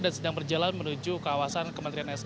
dan sedang berjalan menuju kawasan kementerian sdm